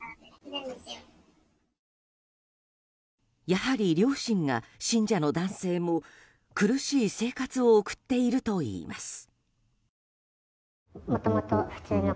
やはり両親が信者の男性も苦しい生活を送っているといいます。